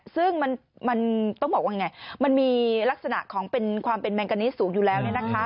ซึ่งมันมีลักษณะของเป็นความเป็นแมงกานิสสูงอยู่แล้ว